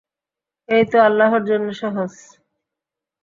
এটা তো আল্লাহর জন্যে সহজ।